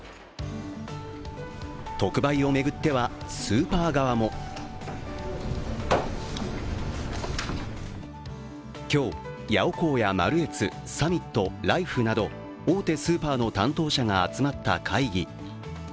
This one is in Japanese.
特売を巡っては、スーパー側も今日、ヤオコーやマルエツ、サミット、ライフなど大手スーパーの担当者が集まった会議。